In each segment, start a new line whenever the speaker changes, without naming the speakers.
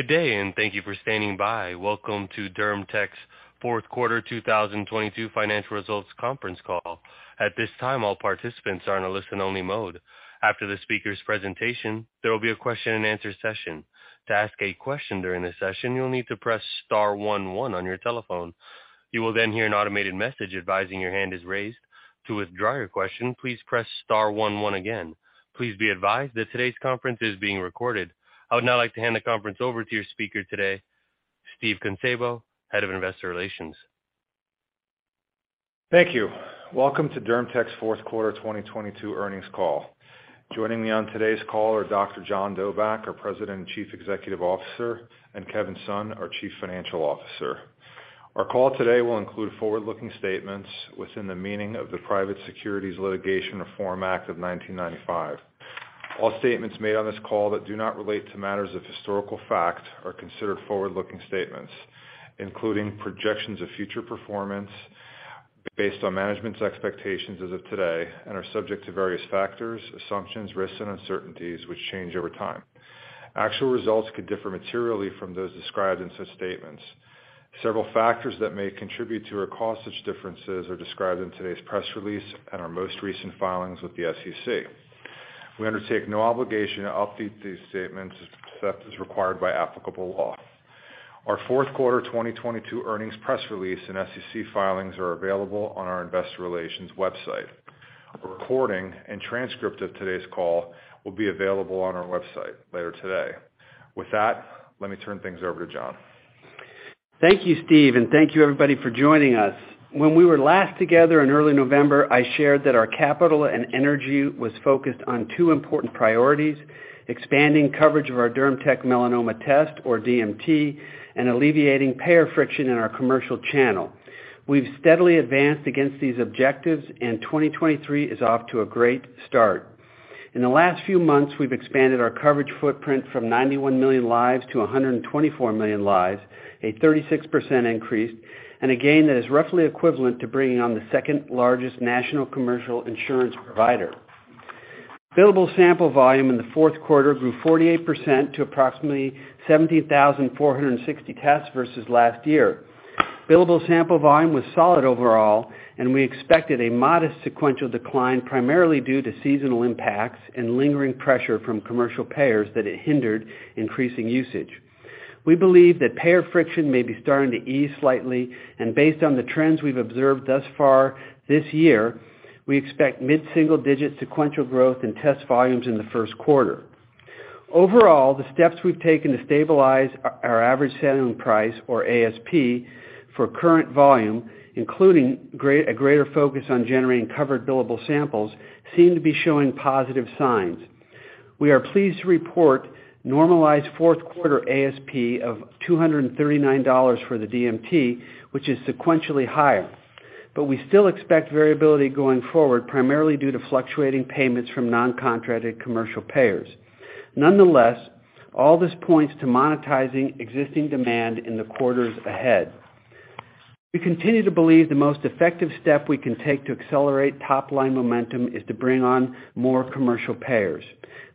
Good day, thank you for standing by. Welcome to DermTech's fourth quarter 2022 financial results conference call. At this time, all participants are in a listen-only mode. After the speaker's presentation, there will be a question-and-answer session. To ask a question during the session, you'll need to press star one one on your telephone. You will hear an automated message advising your hand is raised. To withdraw your question, please press star one one again. Please be advised that today's conference is being recorded. I would now like to hand the conference over to your speaker today, Steve Kunszabo, Head of Investor Relations.
Thank you. Welcome to DermTech's fourth quarter 2022 earnings call. Joining me on today's call are Dr. John Dobak, our President and Chief Executive Officer, and Kevin Sun, our Chief Financial Officer. Our call today will include forward-looking statements within the meaning of the Private Securities Litigation Reform Act of 1995. All statements made on this call that do not relate to matters of historical fact are considered forward-looking statements, including projections of future performance based on management's expectations as of today and are subject to various factors, assumptions, risks, and uncertainties which change over time. Actual results could differ materially from those described in such statements. Several factors that may contribute to or cause such differences are described in today's press release and our most recent filings with the S.E.C. We undertake no obligation to update these statements except as required by applicable law. Our fourth quarter 2022 earnings press release and SEC filings are available on our investor relations website. A recording and transcript of today's call will be available on our website later today. With that, let me turn things over to John.
Thank you, Steve, thank you everybody for joining us. When we were last together in early November, I shared that our capital and energy was focused on two important priorities, expanding coverage of our DermTech Melanoma Test or DMT, alleviating payer friction in our commercial channel. We've steadily advanced against these objectives, 2023 is off to a great start. In the last few months, we've expanded our coverage footprint from 91 million lives to 124 million lives, a 36% increase, a gain that is roughly equivalent to bringing on the second-largest national commercial insurance provider. Billable sample volume in the fourth quarter grew 48% to approximately 70,460 tests versus last year. Billable sample volume was solid overall, and we expected a modest sequential decline, primarily due to seasonal impacts and lingering pressure from commercial payers that hindered increasing usage. We believe that payer friction may be starting to ease slightly, and based on the trends we've observed thus far this year, we expect mid-single-digit sequential growth in test volumes in the first quarter. Overall, the steps we've taken to stabilize our average selling price or ASP for current volume, including a greater focus on generating covered billable samples, seem to be showing positive signs. We are pleased to report normalized fourth quarter ASP of $239 for the DMT, which is sequentially higher. We still expect variability going forward, primarily due to fluctuating payments from non-contracted commercial payers. Nonetheless, all this points to monetizing existing demand in the quarters ahead. We continue to believe the most effective step we can take to accelerate top-line momentum is to bring on more commercial payers.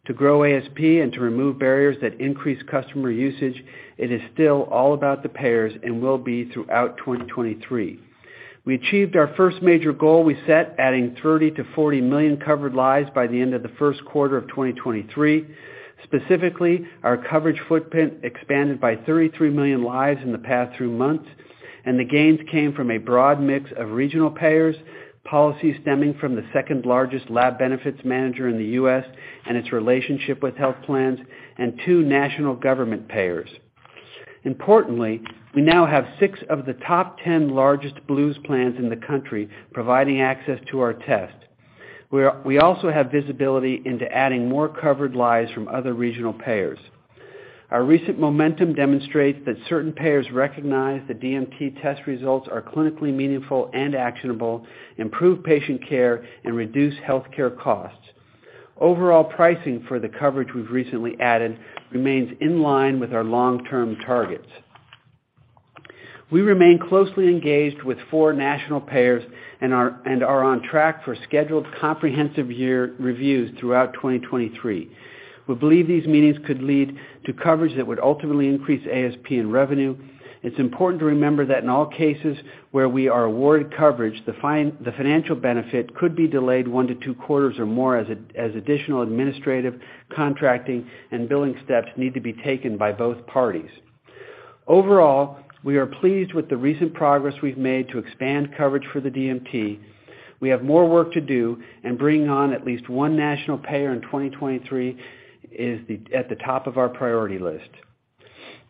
To grow ASP and to remove barriers that increase customer usage, it is still all about the payers and will be throughout 2023. We achieved our first major goal we set, adding 30 million-40 million covered lives by the end of the first quarter of 2023. Specifically, our coverage footprint expanded by 33 million lives in the past three months, and the gains came from a broad mix of regional payers, policies stemming from the second-largest lab benefit manager in the U.S. and its relationship with health plans, and two national government payers. Importantly, we now have six of the top 10 largest Blues plans in the country providing access to our test. We also have visibility into adding more covered lives from other regional payers. Our recent momentum demonstrates that certain payers recognize the DMT test results are clinically meaningful and actionable, improve patient care and reduce healthcare costs. Overall pricing for the coverage we've recently added remains in line with our long-term targets. We remain closely engaged with four national payers and are on track for scheduled comprehensive year reviews throughout 2023. We believe these meetings could lead to coverage that would ultimately increase ASP and revenue. It's important to remember that in all cases where we are awarded coverage, the financial benefit could be delayed one to two quarters or more as additional administrative, contracting, and billing steps need to be taken by both parties. Overall, we are pleased with the recent progress we've made to expand coverage for the DMT. We have more work to do. Bringing on at least one national payer in 2023 is at the top of our priority list.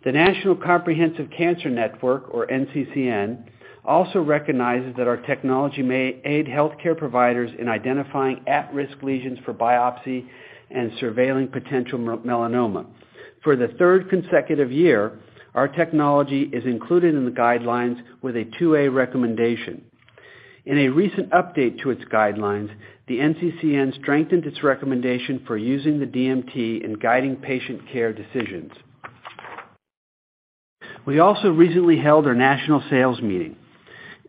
The National Comprehensive Cancer Network, or NCCN, also recognizes that our technology may aid healthcare providers in identifying at-risk lesions for biopsy and surveilling potential melanoma. For the third consecutive year, our technology is included in the guidelines with a 2A recommendation. In a recent update to its guidelines, the NCCN strengthened its recommendation for using the DMT in guiding patient care decisions. We also recently held our national sales meeting.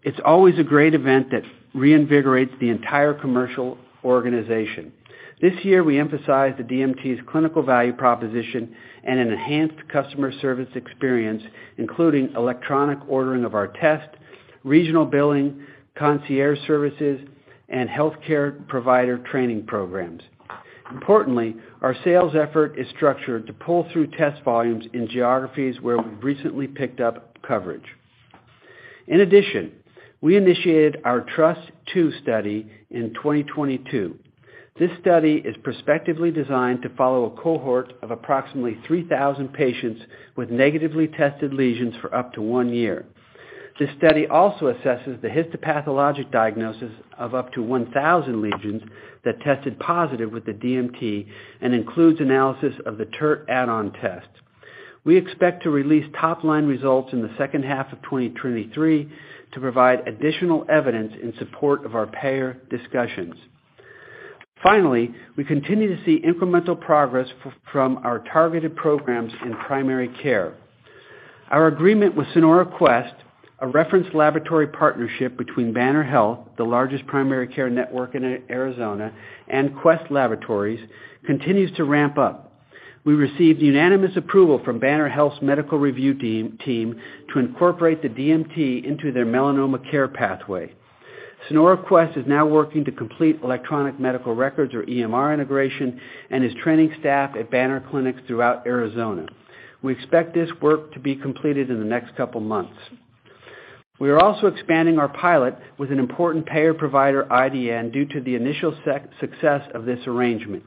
It's always a great event that reinvigorates the entire commercial organization. This year, we emphasize the DMT's clinical value proposition and an enhanced customer service experience, including electronic ordering of our test, regional billing, concierge services, and healthcare provider training programs. Importantly, our sales effort is structured to pull through test volumes in geographies where we've recently picked up coverage. In addition, we initiated our Trust 2 Study in 2022. This study is perspectively designed to follow a cohort of approximately 3,000 patients with negatively tested lesions for up to one year. This study also assesses the histopathologic diagnosis of up to 1,000 lesions that tested positive with the DMT and includes analysis of the TERT add-on test. We expect to release top-line results in the second half of 2023 to provide additional evidence in support of our payer discussions. Finally, we continue to see incremental progress from our targeted programs in primary care. Our agreement with Sonora Quest, a reference laboratory partnership between Banner Health, the largest primary care network in Arizona, and Quest Diagnostics, continues to ramp up. We received unanimous approval from Banner Health's medical review team, to incorporate the DMT into their melanoma care pathway. Sonora Quest is now working to complete electronic medical records or EMR integration and is training staff at Banner Clinics throughout Arizona. We expect this work to be completed in the next couple months. We are also expanding our pilot with an important payer-provider IDN due to the initial success of this arrangement.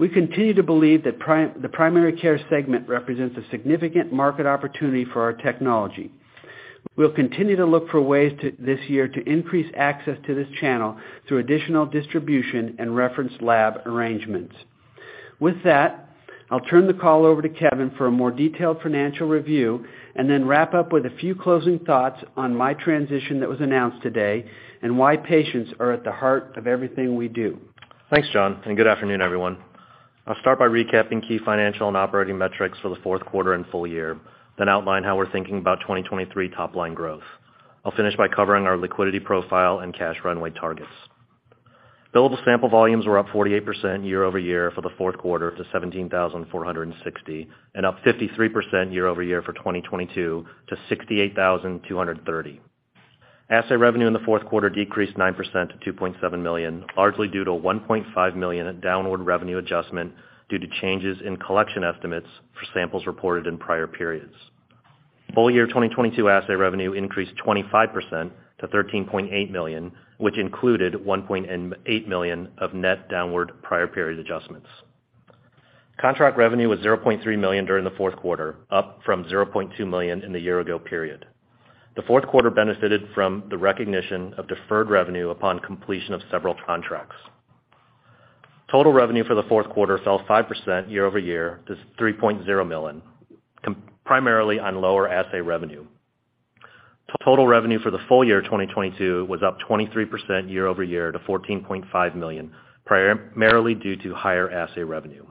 We continue to believe that the primary care segment represents a significant market opportunity for our technology. We'll continue to look for ways to this year to increase access to this channel through additional distribution and reference lab arrangements. With that, I'll turn the call over to Kevin for a more detailed financial review and then wrap up with a few closing thoughts on my transition that was announced today and why patients are at the heart of everything we do.
Thanks, John. Good afternoon, everyone. I'll start by recapping key financial and operating metrics for the fourth quarter and full year, then outline how we're thinking about 2023 top-line growth. I'll finish by covering our liquidity profile and cash runway targets. Billable sample volumes were up 48% year-over-year for the fourth quarter to 17,460 and up 53% year-over-year for 2022 to 68,230. Assay revenue in the fourth quarter decreased 9% to $2.7 million, largely due to a $1.5 million downward revenue adjustment due to changes in collection estimates for samples reported in prior periods. Full year 2022 assay revenue increased 25% to $13.8 million, which included $1.8 million of net downward prior period adjustments. Contract revenue was $0.3 million during the fourth quarter, up from $0.2 million in the year-ago period. The fourth quarter benefited from the recognition of deferred revenue upon completion of several contracts. Total revenue for the fourth quarter fell 5% year-over-year to $3.0 million, primarily on lower assay revenue. Total revenue for the full year 2022 was up 23% year-over-year to $14.5 million, primarily due to higher assay revenue.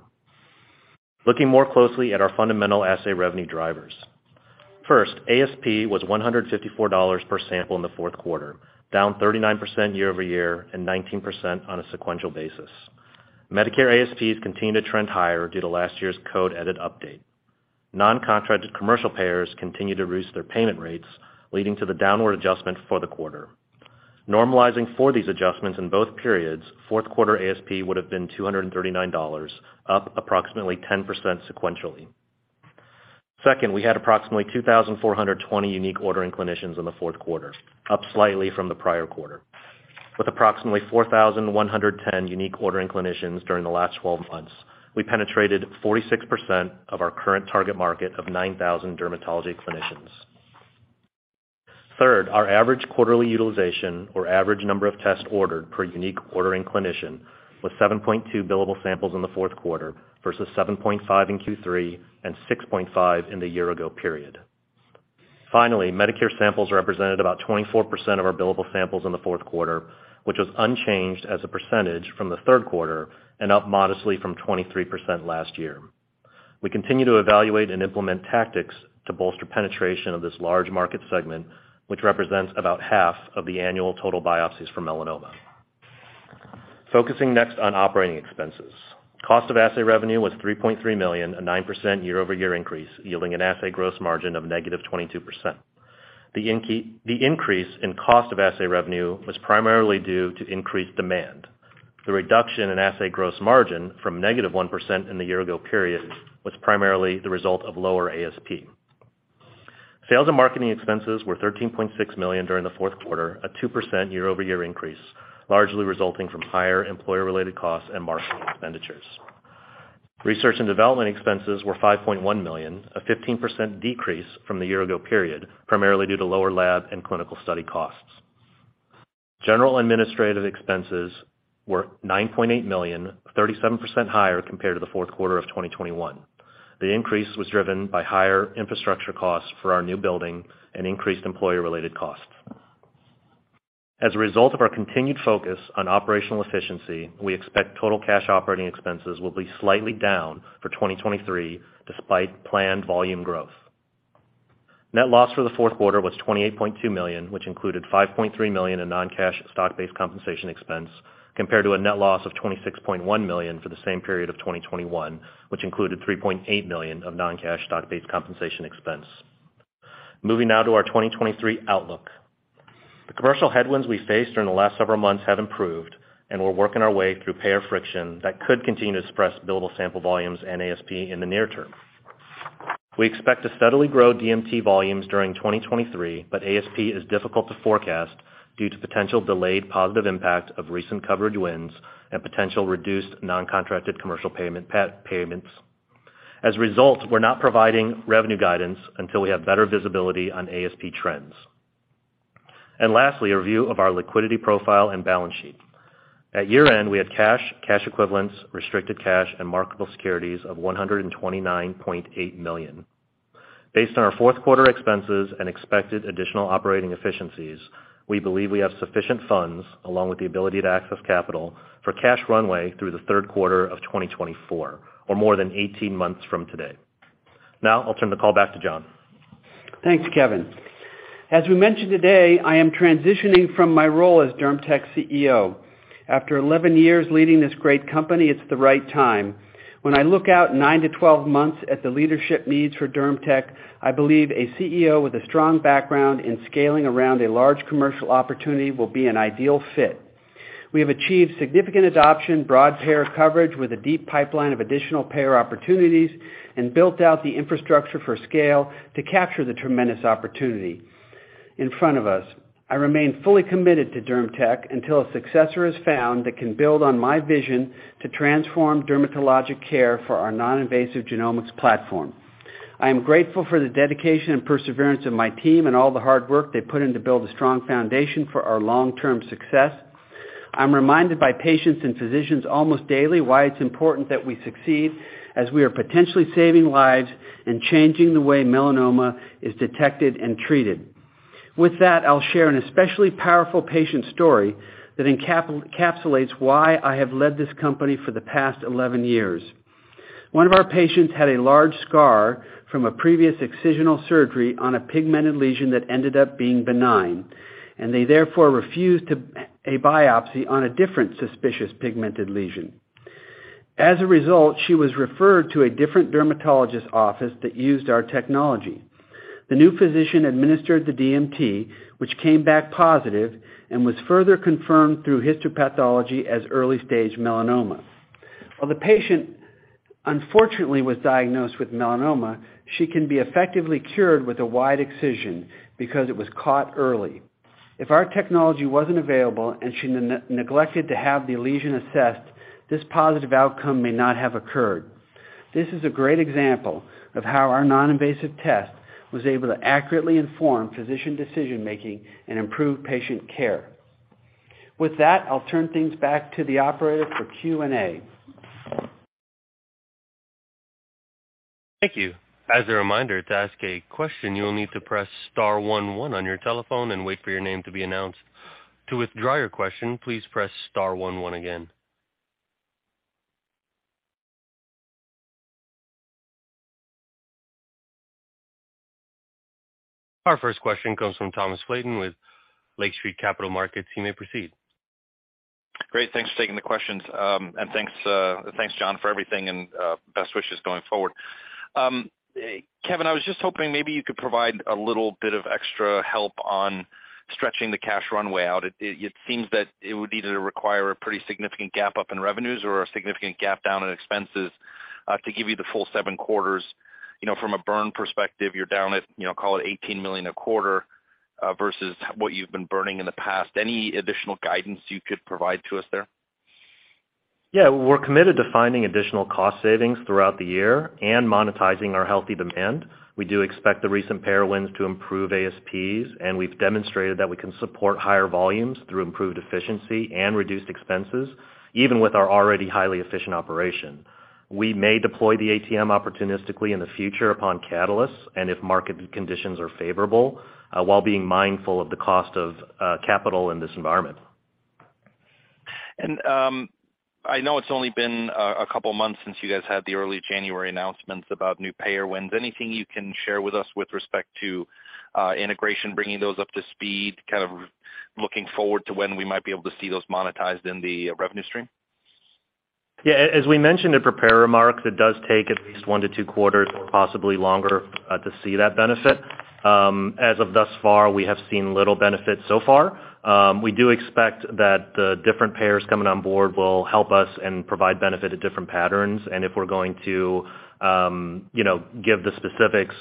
Looking more closely at our fundamental assay revenue drivers. First, ASP was $154 per sample in the fourth quarter, down 39% year-over-year and 19% on a sequential basis. Medicare ASPs continue to trend higher due to last year's code edit update. Non-contracted commercial payers continue to reduce their payment rates, leading to the downward adjustment for the quarter. Normalizing for these adjustments in both periods, fourth quarter ASP would've been $239, up approximately 10% sequentially. We had approximately 2,420 unique ordering clinicians in the fourth quarter, up slightly from the prior quarter. With approximately 4,110 unique ordering clinicians during the last 12 months, we penetrated 46% of our current target market of 9,000 dermatology clinicians. Our average quarterly utilization or average number of tests ordered per unique ordering clinician was 7.2 billable samples in the fourth quarter versus 7.5 in Q3 and 6.5 in the year ago period. Finally, Medicare samples represented about 24% of our billable samples in the 4th quarter, which was unchanged as a percentage from the 3rd quarter and up modestly from 23% last year. We continue to evaluate and implement tactics to bolster penetration of this large market segment, which represents about half of the annual total biopsies for melanoma. Focusing next on operating expenses. Cost of assay revenue was $3.3 million, a 9% year-over-year increase, yielding an assay gross margin of -22%. The increase in cost of assay revenue was primarily due to increased demand. The reduction in assay gross margin from -1% in the year ago period was primarily the result of lower ASP. Sales and marketing expenses were $13.6 million during the fourth quarter, a 2% year-over-year increase, largely resulting from higher employer-related costs and marketing expenditures. Research and development expenses were $5.1 million, a 15% decrease from the year-ago period, primarily due to lower lab and clinical study costs. General and administrative expenses were $9.8 million, 37% higher compared to the fourth quarter of 2021. The increase was driven by higher infrastructure costs for our new building and increased employer-related costs. As a result of our continued focus on operational efficiency, we expect total cash operating expenses will be slightly down for 2023 despite planned volume growth. Net loss for the fourth quarter was $28.2 million, which included $5.3 million in non-cash stock-based compensation expense compared to a net loss of $26.1 million for the same period of 2021, which included $3.8 million of non-cash stock-based compensation expense. Moving now to our 2023 outlook. The commercial headwinds we faced during the last several months have improved, and we're working our way through payer friction that could continue to suppress billable sample volumes and ASP in the near term. We expect to steadily grow DMT volumes during 2023, but ASP is difficult to forecast due to potential delayed positive impact of recent coverage wins and potential reduced non-contracted commercial payments. As a result, we're not providing revenue guidance until we have better visibility on ASP trends. Lastly, a review of our liquidity profile and balance sheet. At year-end, we had cash equivalents, restricted cash, and marketable securities of $129.8 million. Based on our fourth quarter expenses and expected additional operating efficiencies, we believe we have sufficient funds, along with the ability to access capital for cash runway through the third quarter of 2024 or more than 18 months from today. I'll turn the call back to John.
Thanks, Kevin. As we mentioned today, I am transitioning from my role as DermTech CEO. After 11 years leading this great company, it's the right time. When I look out nine to 12 months at the leadership needs for DermTech, I believe a CEO with a strong background in scaling around a large commercial opportunity will be an ideal fit. We have achieved significant adoption, broad payer coverage with a deep pipeline of additional payer opportunities, and built out the infrastructure for scale to capture the tremendous opportunity in front of us. I remain fully committed to DermTech until a successor is found that can build on my vision to transform dermatologic care for our non-invasive genomics platform. I am grateful for the dedication and perseverance of my team and all the hard work they put in to build a strong foundation for our long-term success. I'm reminded by patients and physicians almost daily why it's important that we succeed as we are potentially saving lives and changing the way melanoma is detected and treated. With that, I'll share an especially powerful patient story that encapsulates why I have led this company for the past 11 years. One of our patients had a large scar from a previous excisional surgery on a pigmented lesion that ended up being benign, and they therefore refused a biopsy on a different suspicious pigmented lesion. As a result, she was referred to a different dermatologist office that used our technology. The new physician administered the DMT, which came back positive and was further confirmed through histopathology as early-stage melanoma. While the patient, unfortunately, was diagnosed with melanoma, she can be effectively cured with a wide excision because it was caught early. If our technology wasn't available and she neglected to have the lesion assessed, this positive outcome may not have occurred. This is a great example of how our non-invasive test was able to accurately inform physician decision-making and improve patient care. With that, I'll turn things back to the operator for Q&A.
Thank you. As a reminder, to ask a question, you will need to press star one one on your telephone and wait for your name to be announced. To withdraw your question, please press star one one again. Our first question comes from Thomas Flaten with Lake Street Capital Markets. You may proceed.
Great. Thanks for taking the questions. Thanks, John, for everything and best wishes going forward. Kevin, I was just hoping maybe you could provide a little bit of extra help on stretching the cash runway out. It, it seems that it would either require a pretty significant gap up in revenues or a significant gap down in expenses to give you the full seven quarters. You know, from a burn perspective, you're down at, you know, call it $18 million a quarter versus what you've been burning in the past. Any additional guidance you could provide to us there?
We're committed to finding additional cost savings throughout the year and monetizing our healthy demand. We do expect the recent payer wins to improve ASPs, and we've demonstrated that we can support higher volumes through improved efficiency and reduced expenses, even with our already highly efficient operation. We may deploy the ATM opportunistically in the future upon catalyst and if market conditions are favorable, while being mindful of the cost of capital in this environment.
I know it's only been a couple of months since you guys had the early January announcements about new payer wins. Anything you can share with us with respect to integration, bringing those up to speed, kind of looking forward to when we might be able to see those monetized in the revenue stream?
Yeah. As we mentioned in prepared remarks, it does take at least one to two quarters or possibly longer to see that benefit. As of thus far, we have seen little benefit so far. We do expect that the different payers coming on board will help us and provide benefit at different patterns. If we're going to, you know, give the specifics,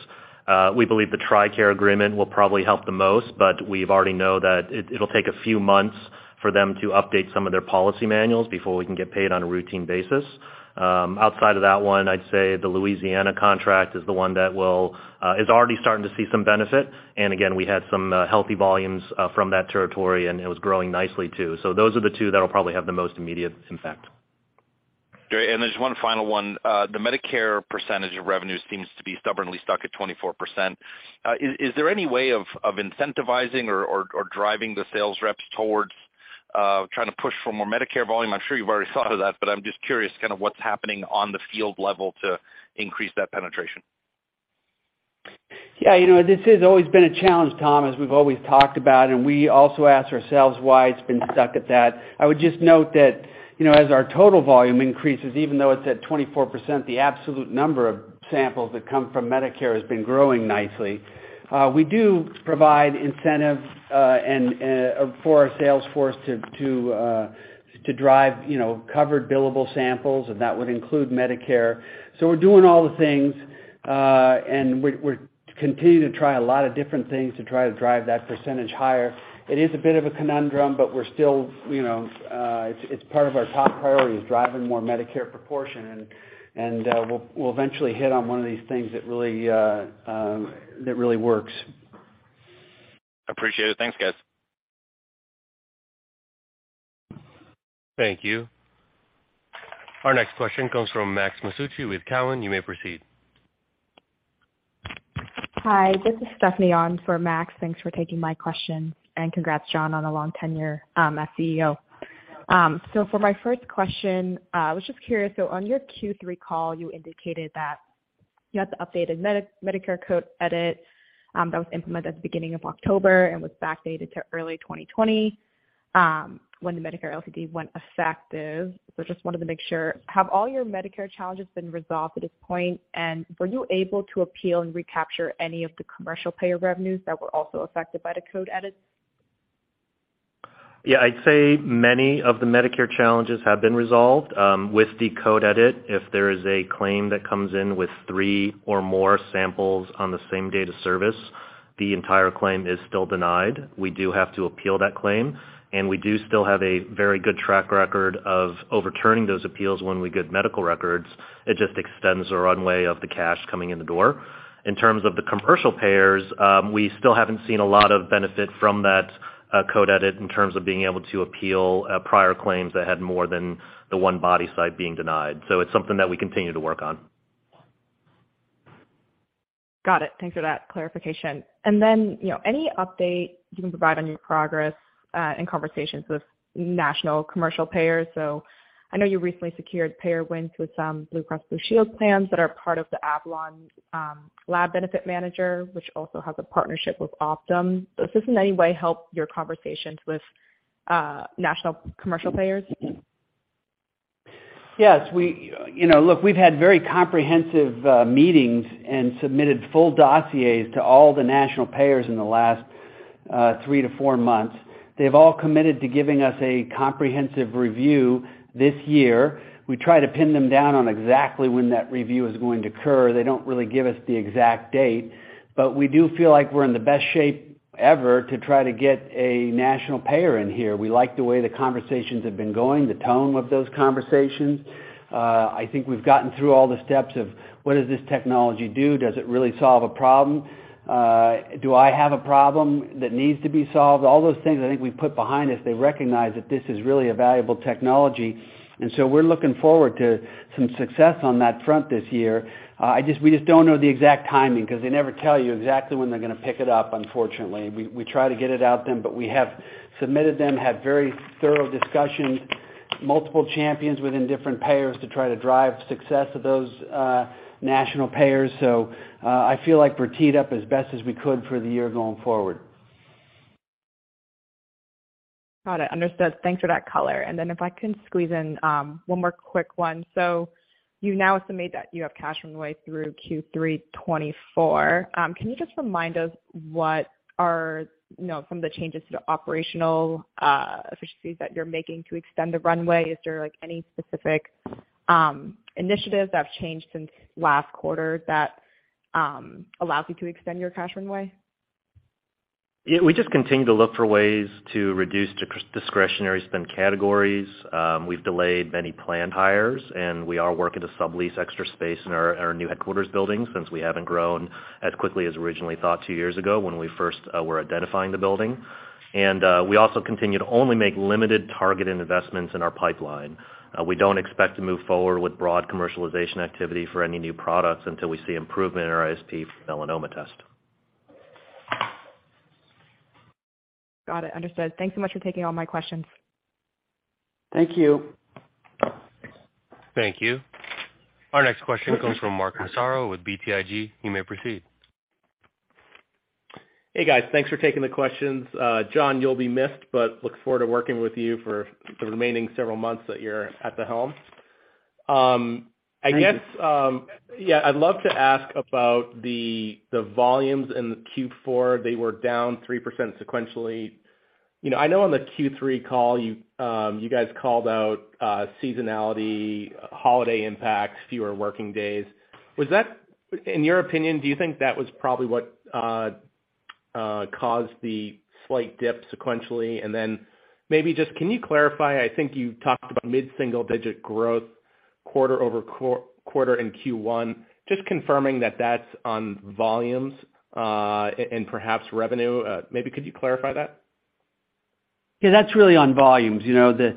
we believe the TRICARE agreement will probably help the most, but we already know that it'll take a few months for them to update some of their policy manuals before we can get paid on a routine basis. Outside of that one, I'd say the Louisiana contract is the one that is already starting to see some benefit. Again, we had some healthy volumes from that territory, and it was growing nicely too. Those are the two that'll probably have the most immediate impact.
Great. There's one final one. The Medicare percentage of revenues seems to be stubbornly stuck at 24%. Is there any way of incentivizing or driving the sales reps towards trying to push for more Medicare volume? I'm sure you've already thought of that, but I'm just curious kind of what's happening on the field level to increase that penetration.
Yeah, you know, this has always been a challenge, Tom, as we've always talked about, and we also ask ourselves why it's been stuck at that. I would just note that, you know, as our total volume increases, even though it's at 24%, the absolute number of samples that come from Medicare has been growing nicely. We do provide incentives and for our sales force to drive, you know, covered billable samples, and that would include Medicare. We're continue to try a lot of different things to try to drive that percentage higher. It is a bit of a conundrum, we're still, you know, it's part of our top priority is driving more Medicare proportion, and, we'll eventually hit on one of these things that really, that really works.
Appreciate it. Thanks, guys.
Thank you. Our next question comes from Max Masucci with Cowen. You may proceed.
Hi, this is Stephanie on for Max. Thanks for taking my question and congrats John on a long tenure as CEO. For my first question, I was just curious on your Q3 call, you indicated that you had the updated Medicare code edit that was implemented at the beginning of October and was backdated to early 2020, when the Medicare LCD went effective. Just wanted to make sure, have all your Medicare challenges been resolved at this point, and were you able to appeal and recapture any of the commercial payer revenues that were also affected by the code edits?
Yeah. I'd say many of the Medicare challenges have been resolved. With the code edit if there is a claim that comes in with three or more samples on the same date of service, the entire claim is still denied. We do have to appeal that claim, and we do still have a very good track record of overturning those appeals when we get medical records. It just extends the runway of the cash coming in the door. In terms of the commercial payers, we still haven't seen a lot of benefit from that code edit in terms of being able to appeal prior claims that had more than the 1 body site being denied. It's something that we continue to work on.
Got it. Thanks for that clarification. You know, any update you can provide on your progress and conversations with national commercial payers? I know you recently secured payer wins with some Blue Cross Blue Shield plans that are part of the Avalon lab benefit manager, which also has a partnership with Optum. Does this in any way help your conversations with national commercial payers?
Yes. You know, look, we've had very comprehensive meetings and submitted full dossiers to all the national payers in the last three to four months. They've all committed to giving us a comprehensive review this year. We try to pin them down on exactly when that review is going to occur. They don't really give us the exact date. We do feel like we're in the best shape ever to try to get a national payer in here. We like the way the conversations have been going, the tone of those conversations. I think we've gotten through all the steps of what does this technology do? Does it really solve a problem? Do I have a problem that needs to be solved? All those things I think we've put behind us. They recognize that this is really a valuable technology, and so we're looking forward to some success on that front this year. We just don't know the exact timing because they never tell you exactly when they're gonna pick it up, unfortunately. We try to get it out them, but we have submitted them, had very thorough discussions, multiple champions within different payers to try to drive success of those national payers. I feel like we're teed up as best as we could for the year going forward.
Got it. Understood. Thanks for that color. If I can squeeze in one more quick one. You've now estimated that you have cash runway through Q3 2024. Can you just remind us what are, you know, some of the changes to the operational efficiencies that you're making to extend the runway? Is there, like, any specific initiatives that have changed since last quarter that allows you to extend your cash runway?
Yeah. We just continue to look for ways to reduce discretionary spend categories. We've delayed many planned hires, and we are working to sublease extra space in our new headquarters building since we haven't grown as quickly as originally thought two years ago when we first were identifying the building. We also continue to only make limited targeted investments in our pipeline. We don't expect to move forward with broad commercialization activity for any new products until we see improvement in our PLA melanoma test.
Got it. Understood. Thanks so much for taking all my questions.
Thank you.
Thank you. Our next question comes from Mark Massaro with BTIG. You may proceed.
Hey, guys. Thanks for taking the questions. John you'll be missed, but look forward to working with you for the remaining several months that you're at the helm. I guess, I'd love to ask about the volumes in the Q4. They were down 3% sequentially. You know, I know on the Q3 call you guys called out seasonality, holiday impacts, fewer working days. In your opinion, do you think that was probably what caused the slight dip sequentially? Maybe just can you clarify, I think you talked about mid-single digit growth quarter-over-quarter in Q1. Just confirming that that's on volumes, and perhaps revenue. Maybe could you clarify that?
Yeah, that's really on volumes. You know, this,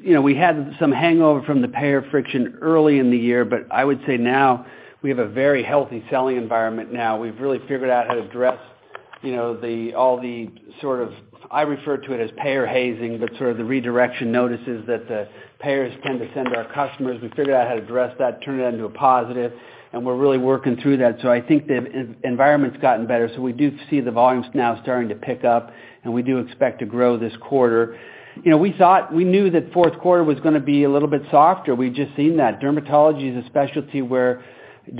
you know, we had some hangover from the payer friction early in the year, I would say now we have a very healthy selling environment now. We've really figured out how to address, you know, all the sort of, I refer to it as payer hazing, but sort of the redirection notices that the payers tend to send our customers. We figured out how to address that, turn it into a positive, and we're really working through that. I think the environment's gotten better, so we do see the volumes now starting to pick up, and we do expect to grow this quarter. You know, we knew that fourth quarter was gonna be a little bit softer. We've just seen that. Dermatology is a specialty where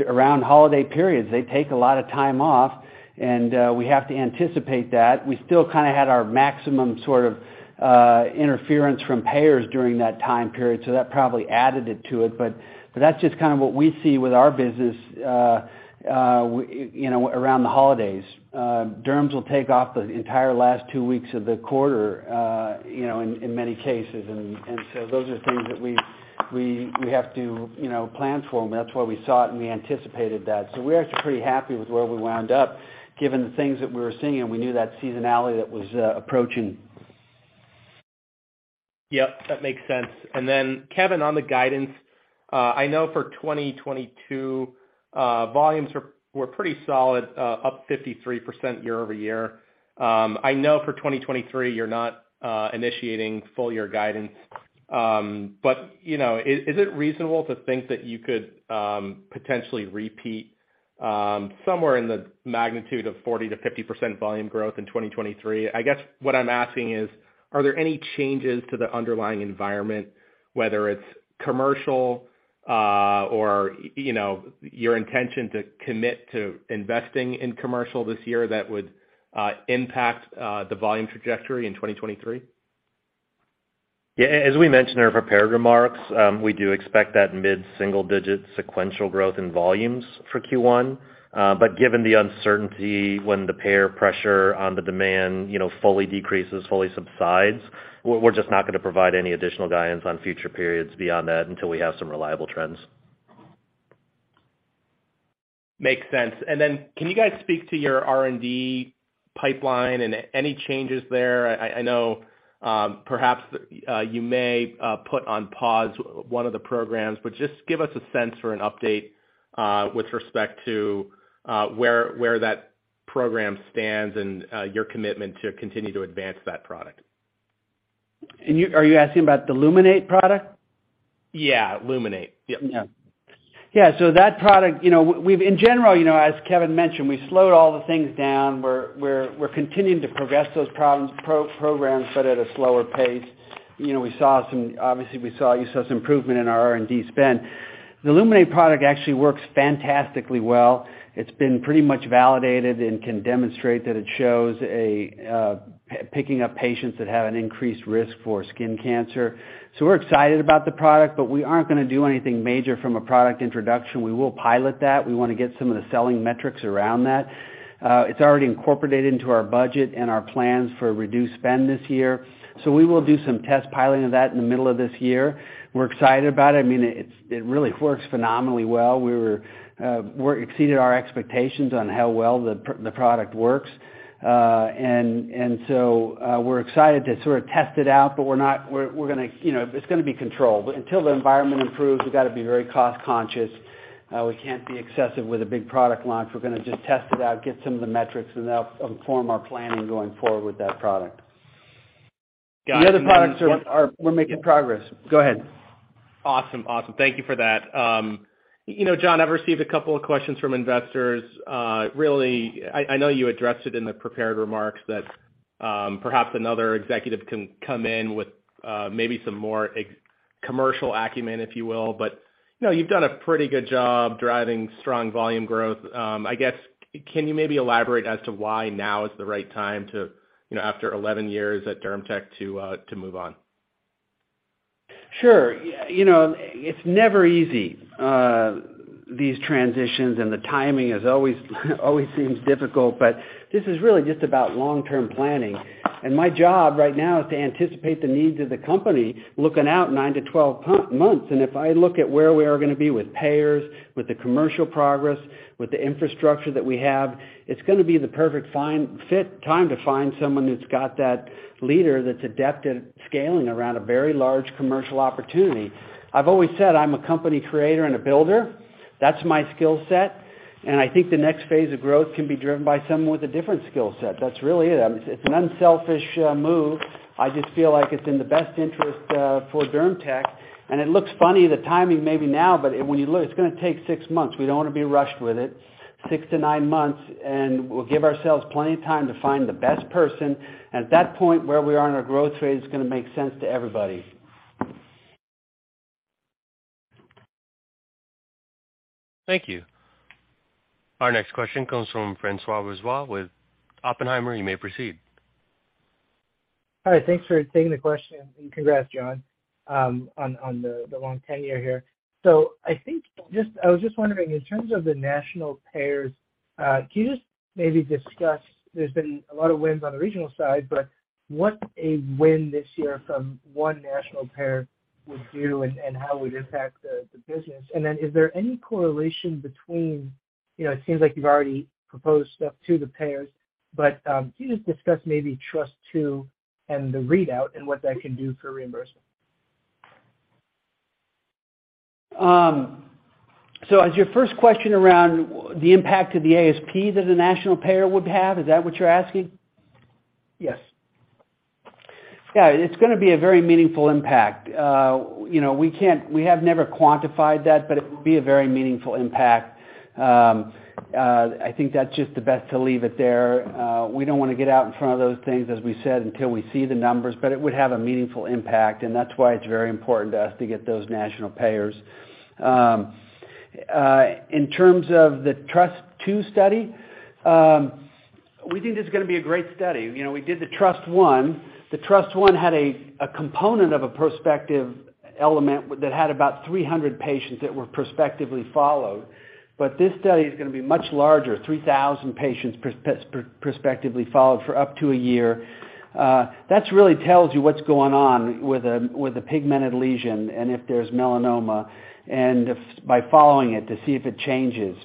around holiday periods, they take a lot of time off, and we have to anticipate that. We still kind of had our maximum sort of interference from payers during that time period, so that probably added it to it. That's just kind of what we see with our business, you know, around the holidays. Derms will take off the entire last two weeks of the quarter, you know, in many cases. Those are things that we have to, you know, plan for them. That's why we saw it, and we anticipated that. We're actually pretty happy with where we wound up given the things that we were seeing, and we knew that seasonality that was approaching.
Yep, that makes sense. Then, Kevin, on the guidance, I know for 2022, volumes were pretty solid, up 53% year-over-year. I know for 2023, you're not initiating full year guidance. You know, is it reasonable to think that you could potentially repeat somewhere in the magnitude of 40%-50% volume growth in 2023? I guess what I'm asking is, are there any changes to the underlying environment, whether it's commercial, or, you know, your intention to commit to investing in commercial this year that would impact the volume trajectory in 2023?
Yeah. As we mentioned in our prepared remarks, we do expect that mid-single digit sequential growth in volumes for Q1. Given the uncertainty when the payer pressure on the demand, you know, fully decreases, fully subsides, we're just not gonna provide any additional guidance on future periods beyond that until we have some reliable trends.
Makes sense. Then can you guys speak to your R&D pipeline and any changes there? I know, perhaps, you may put on pause one of the programs, but just give us a sense or an update, with respect to, where that program stands and, your commitment to continue to advance that product.
Are you asking about the Luminate product?
Yeah, Luminate. Yep.
Yeah. Yeah, so that product, you know, we've in general, you know, as Kevin mentioned, we slowed all the things down. We're continuing to progress those programs, but at a slower pace. You know, we saw some improvement in our R&D spend. The Luminate product actually works fantastically well. It's been pretty much validated and can demonstrate that it shows a picking up patients that have an increased risk for skin cancer. We're excited about the product, but we aren't gonna do anything major from a product introduction. We will pilot that. We wanna get some of the selling metrics around that. It's already incorporated into our budget and our plans for reduced spend this year. We will do some test piloting of that in the middle of this year. We're excited about it. I mean, it really works phenomenally well. We exceeded our expectations on how well the product works. We're excited to sort of test it out, but we're gonna, you know, it's gonna be controlled. Until the environment improves, we've got to be very cost conscious. We can't be excessive with a big product launch. We're gonna just test it out, get some of the metrics, that'll inform our planning going forward with that product.
Got it.
The other products are., we're making progress. Go ahead.
Awesome. Thank you for that. You know, John, I've received a couple of questions from investors. Really, I know you addressed it in the prepared remarks that perhaps another executive can come in with maybe some more commercial acumen, if you will. You know, you've done a pretty good job driving strong volume growth. I guess, can you maybe elaborate as to why now is the right time to, you know, after 11 years at DermTech to move on?
Sure. You know, it's never easy, these transitions, and the timing is always seems difficult, but this is really just about long-term planning. My job right now is to anticipate the needs of the company looking out nine to 12 months. If I look at where we are gonna be with payers, with the commercial progress, with the infrastructure that we have, it's gonna be the perfect fit time to find someone who's got that leader that's adept at scaling around a very large commercial opportunity. I've always said I'm a company creator and a builder. That's my skill set, and I think the next phase of growth can be driven by someone with a different skill set. That's really it. I mean, it's an unselfish move. I just feel like it's in the best interest for DermTech. It looks funny, the timing maybe now, but when you look, it's gonna take six months. We don't wanna be rushed with it. Six to nine months. We'll give ourselves plenty of time to find the best person. At that point, where we are in our growth rate, it's gonna make sense to everybody.
Thank you. Our next question comes from Francois Brisebois with Oppenheimer. You may proceed.
Hi, thanks for taking the question. Congrats, John, on the long tenure here. I think I was just wondering, in terms of the national payers, can you just maybe discuss, there's been a lot of wins on the regional side, but what a win this year from one national payer would do and how it would impact the business? Then is there any correlation between You know, it seems like you've already proposed stuff to the payers, but can you just discuss maybe TRUST II and the readout and what that can do for reimbursement?
As your first question around the impact of the ASP that the national payer would have, is that what you're asking?
Yes.
It's gonna be a very meaningful impact. You know, we have never quantified that, but it would be a very meaningful impact. I think that's just the best to leave it there. We don't wanna get out in front of those things, as we said, until we see the numbers, but it would have a meaningful impact, and that's why it's very important to us to get those national payers. In terms of the Trust 2 Study, we think this is gonna be a great study. You know, we did the Trust 1. The Trust 1 had a component of a prospective element that had about 300 patients that were prospectively followed. This study is gonna be much larger, 3,000 patients prospectively followed for up to a year. That's really tells you what's going on with a, with a pigmented lesion and if there's melanoma by following it to see if it changes.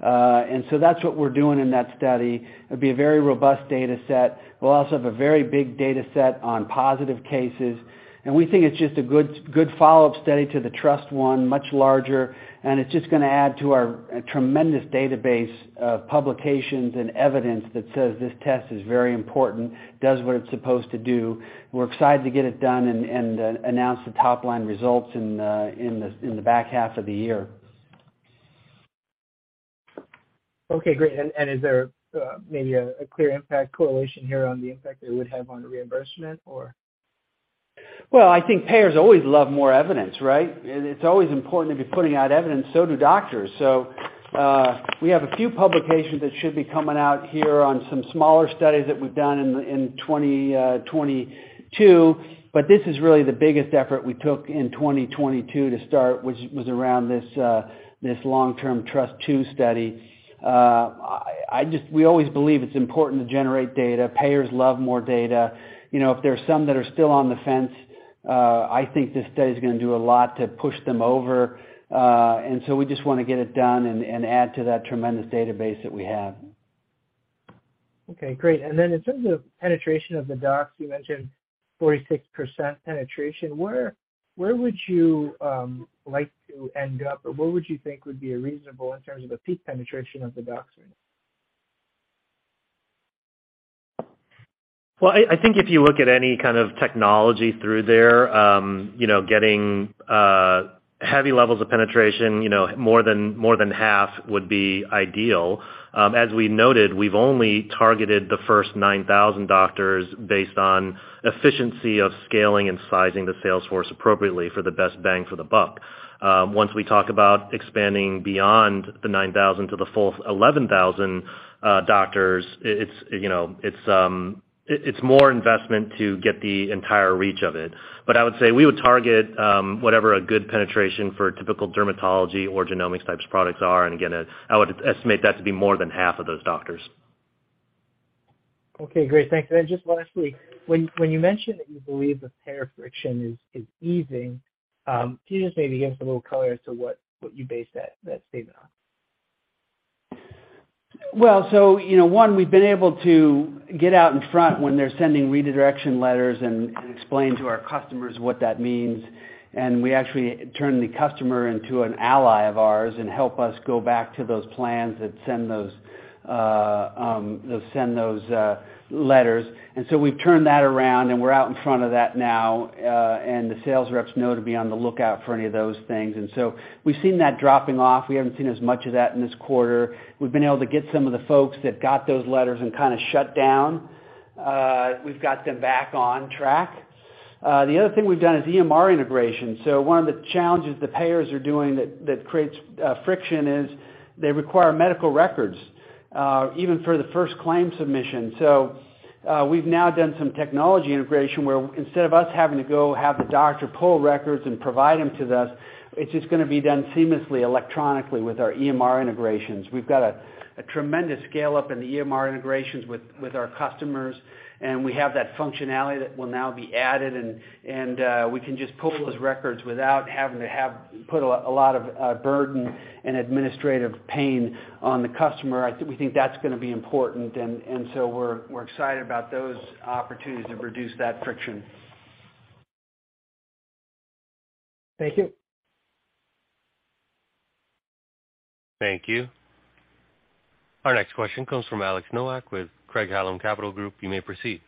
So that's what we're doing in that study. It'd be a very robust data set. We'll also have a very big data set on positive cases. We think it's just a good good follow-up study to the Trust 1, much larger, and it's just gonna add to our tremendous database of publications and evidence that says this test is very important, does what it's supposed to do. We're excited to get it done and announce the top-line results in the back half of the year.
Okay, great. Is there, maybe a clear impact correlation here on the impact it would have on the reimbursement or?
Well, I think payers always love more evidence, right? It's always important to be putting out evidence, so do doctors. We have a few publications that should be coming out here on some smaller studies that we've done in 2022, but this is really the biggest effort we took in 2022 to start, which was around this long-term Trust 2 Study. We always believe it's important to generate data. Payers love more data. You know, if there are some that are still on the fence, I think this study is gonna do a lot to push them over. We just wanna get it done and add to that tremendous database that we have.
Okay, great. In terms of penetration of the docs, you mentioned 46% penetration. Where would you like to end up, or what would you think would be reasonable in terms of a peak penetration of the docs?
I think if you look at any kind of technology through there, you know, getting heavy levels of penetration, you know, more than half would be ideal. As we noted, we've only targeted the first 9,000 doctors based on efficiency of scaling and sizing the sales force appropriately for the best bang for the buck. Once we talk about expanding beyond the 9,000 to the full 11,000 doctors, it's, you know, it's more investment to get the entire reach of it. I would say we would target whatever a good penetration for typical dermatology or genomics types products are. Again, I would estimate that to be more than half of those doctors.
Okay, great. Thanks. Just lastly, when you mentioned that you believe the payer friction is easing, can you just maybe give us a little color as to what you based that statement on?
Well, you know, one, we've been able to get out in front when they're sending redirection letters and explain to our customers what that means. We actually turn the customer into an ally of ours and help us go back to those plans that send those letters. We've turned that around and we're out in front of that now, and the sales reps know to be on the lookout for any of those things. We've seen that dropping off. We haven't seen as much of that in this quarter. We've been able to get some of the folks that got those letters and kind of shut down. We've got them back on track. The other thing we've done is EMR integration. One of the challenges the payers are doing that creates friction is they require medical records even for the first claim submission. We've now done some technology integration where instead of us having to go have the doctor pull records and provide them to us, it's just gonna be done seamlessly electronically with our EMR integrations. We've got a tremendous scale up in the EMR integrations with our customers, and we have that functionality that will now be added and we can just pull those records without having to put a lot of burden and administrative pain on the customer. We think that's gonna be important. We're excited about those opportunities to reduce that friction.
Thank you.
Thank you. Our next question comes from Alex Nowak with Craig-Hallum Capital Group. You may proceed.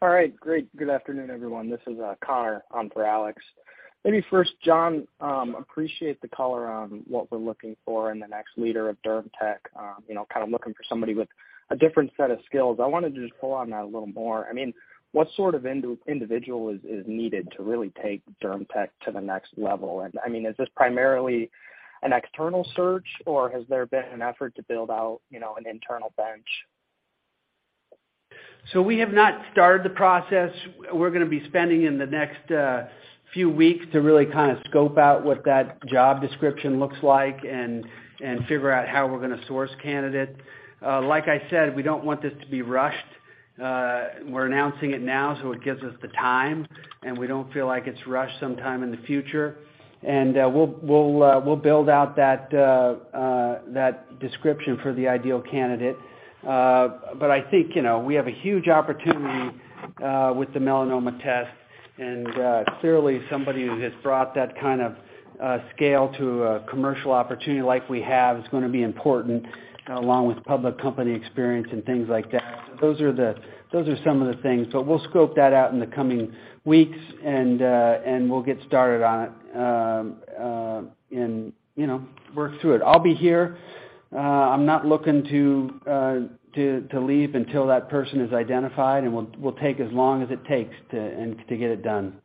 All right, great. Good afternoon, everyone. This is Connor on for Alex. Maybe first, John, appreciate the color on what we're looking for in the next leader of DermTech, you know, kind of looking for somebody with a different set of skills. I wanted to just pull on that a little more. I mean, what sort of individual is needed to really take DermTech to the next level? I mean, is this primarily an external search, or has there been an effort to build out, you know, an internal bench?
We have not started the process. We're gonna be spending in the next few weeks to really kind of scope out what that job description looks like and figure out how we're gonna source candidates. Like I said, we don't want this to be rushed. We're announcing it now, so it gives us the time, and we don't feel like it's rushed sometime in the future. We'll, we'll build out that description for the ideal candidate. I think, you know, we have a huge opportunity with the Melanoma Test. Clearly somebody who has brought that kind of scale to a commercial opportunity like we have is gonna be important, along with public company experience and things like that. Those are some of the things. We'll scope that out in the coming weeks and we'll get started on it and, you know, work through it. I'll be here. I'm not looking to leave until that person is identified. We'll take as long as it takes to get it done.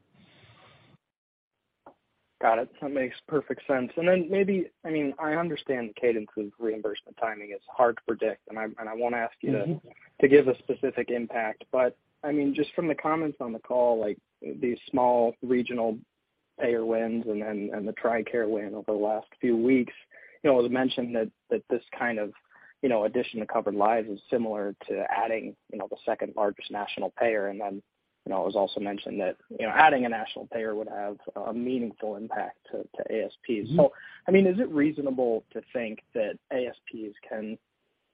Got it. That makes perfect sense. Maybe, I mean, I understand the cadence of reimbursement timing is hard to predict, and I won't ask you to give a specific impact. I mean, just from the comments on the call, like these small regional payer wins and then, and the TRICARE win over the last few weeks. You know, it was mentioned that this kind of, you know, addition to covered lives is similar to adding, you know, the second-largest national payer. You know, it was also mentioned that, you know, adding a national payer would have a meaningful impact to ASPs. I mean, is it reasonable to think that ASPs can,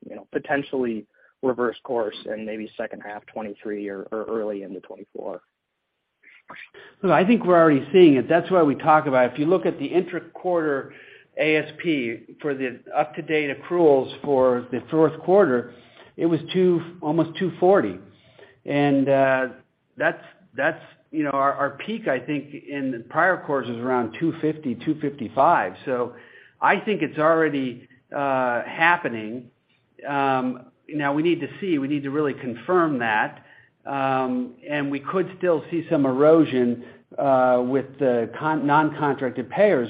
you know, potentially reverse course in maybe second half 2023 or early into 2024?
No, I think we're already seeing it. That's why we talk about if you look at the intra-quarter ASP for the up-to-date accruals for the fourth quarter, it was almost $240. That's, you know, our peak, I think, in the prior quarters was around $250-$255. I think it's already happening. Now we need to see, we need to really confirm that. We could still see some erosion with the non-contracted payers,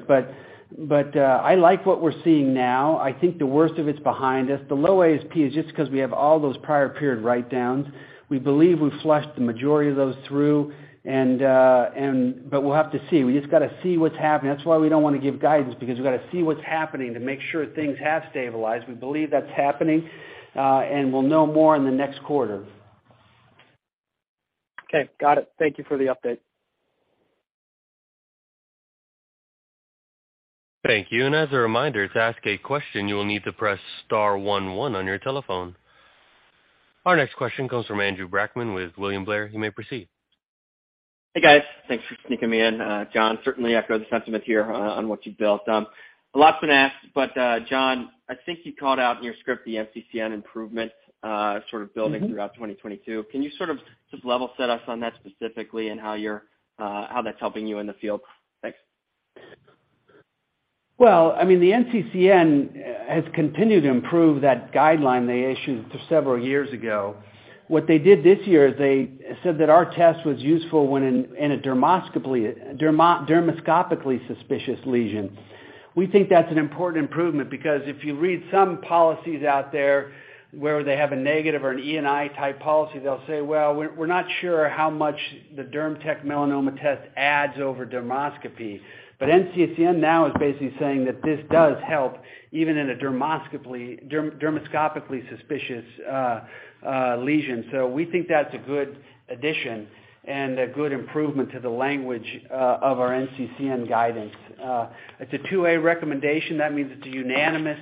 but I like what we're seeing now. I think the worst of it's behind us. The low ASP is just 'cause we have all those prior period write downs. We believe we've flushed the majority of those through and but we'll have to see. We just got to see what's happening. That's why we don't wanna give guidance, because we've got to see what's happening to make sure things have stabilized. We believe that's happening. We'll know more in the next quarter.
Okay. Got it. Thank you for the update.
Thank you. And as a reminder, to ask a question, you will need to press star one one on your telephone. Our next question comes from Andrew Brackmann with William Blair. You may proceed.
Hey, guys. Thanks for sneaking me in. John, certainly echo the sentiment here on what you've built. A lot's been asked, but, John, I think you called out in your script the NCCN improvement, sort of building throughout 2022. Can you sort of just level set us on that specifically and how you're, how that's helping you in the field? Thanks.
I mean, the NCCN has continued to improve that guideline they issued several years ago. What they did this year is they said that our test was useful when in a dermoscopically suspicious lesion. We think that's an important improvement because if you read some policies out there where they have a negative or an ENI type policy, they'll say, "Well, we're not sure how much the DermTech Melanoma Test adds over dermoscopy." NCCN now is basically saying that this does help even in a dermoscopically suspicious lesion. We think that's a good addition and a good improvement to the language of our NCCN guidance. It's a 2A recommendation. That means it's unanimous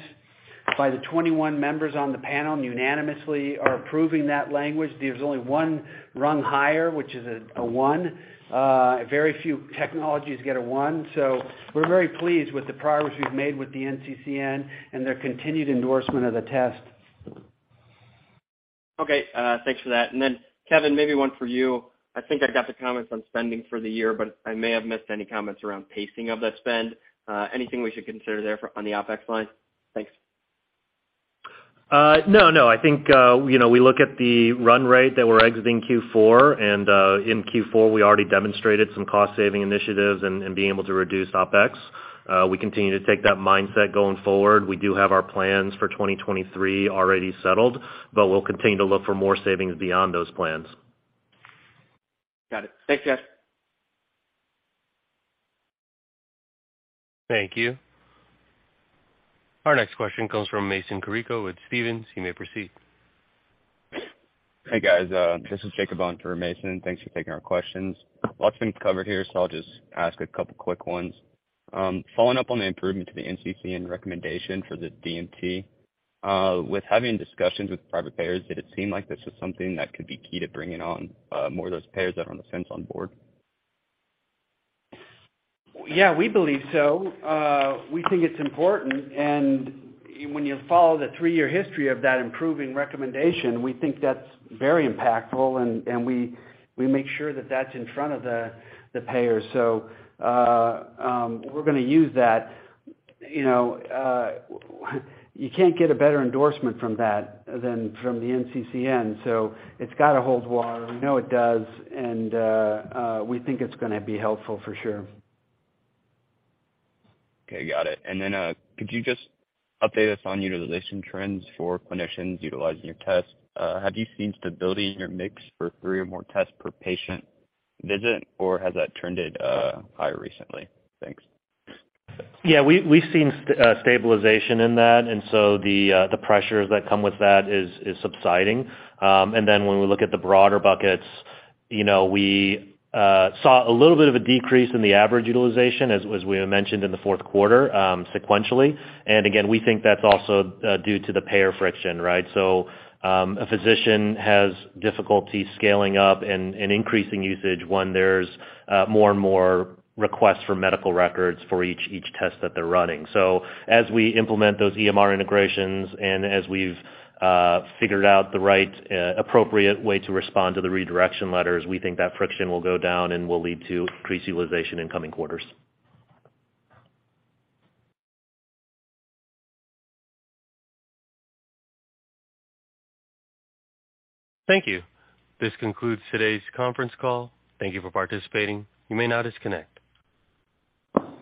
by the 21 members on the panel and unanimously are approving that language. There's only one rung higher, which is a one. Very few technologies get a one. We're very pleased with the progress we've made with the NCCN and their continued endorsement of the test.
Okay, thanks for that. Kevin, maybe one for you. I think I got the comments on spending for the year, but I may have missed any comments around pacing of that spend. Anything we should consider there for on the OpEx line? Thanks.
No, no. I think, you know, we look at the run rate that we're exiting Q4, and, in Q4, we already demonstrated some cost saving initiatives and being able to reduce OpEx. We continue to take that mindset going forward. We do have our plans for 2023 already settled, but we'll continue to look for more savings beyond those plans.
Got it. Thanks, guys.
Thank you. Our next question comes from Mason Carrico with Stephens. You may proceed.
Hey, guys. This is Jacob on for Mason. Thanks for taking our questions. A lot's been covered here, so I'll just ask a couple quick ones. Following up on the improvement to the NCCN recommendation for the DMT, with having discussions with private payers, did it seem like this was something that could be key to bringing on more of those payers that are on the fence on board?
Yeah, we believe so. We think it's important. When you follow the three-year history of that improving recommendation, we think that's very impactful and we make sure that that's in front of the payers. We're gonna use that. You know, you can't get a better endorsement from that than from the NCCN, so it's got to hold water. We know it does and we think it's gonna be helpful for sure.
Okay, got it. Could you just update us on utilization trends for clinicians utilizing your test? Have you seen stability in your mix for three or more tests per patient visit, or has that trended higher recently? Thanks.
Yeah, we've seen stabilization in that, the pressures that come with that is subsiding. When we look at the broader buckets, you know, we saw a little bit of a decrease in the average utilization as we had mentioned in the fourth quarter, sequentially. Again, we think that's also due to the payer friction, right? A physician has difficulty scaling up and increasing usage when there's more and more requests for medical records for each test that they're running. As we implement those EMR integrations and as we've figured out the right appropriate way to respond to the redirection letters, we think that friction will go down and will lead to increased utilization in coming quarters.
Thank you. This concludes today's conference call. Thank you for participating. You may now disconnect.